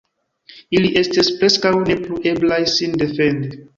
Ili estis preskaŭ ne plu eblaj sin defendi.